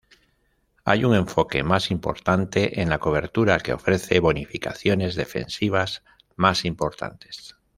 Hay un enfoque más importante en la cobertura, que ofrece bonificaciones defensivas más importantes.